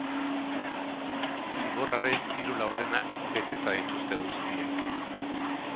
Zigorraren hiru laurdenak beteta dituzte guztiek.